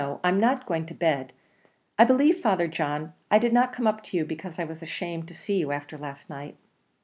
I'm not going to bed. I believe, Father John, I did not come up to you because I was ashamed to see you afther last night."